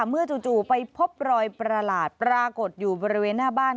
เมื่อจู่ไปพบรอยประหลาดปรากฏอยู่บริเวณหน้าบ้าน